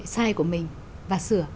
sai của mình và sửa